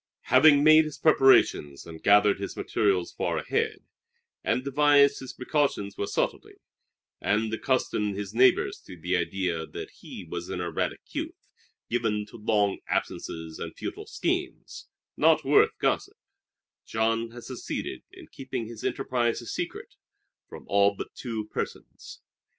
Having made his preparations and gathered his materials far ahead, and devised his precautions with subtlety, and accustomed his neighbors to the idea that he was an erratic youth, given to long absences and futile schemes, not worth gossip, Jean had succeeded in keeping his enterprise a secret from all but two persons.